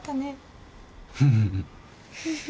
フフフ。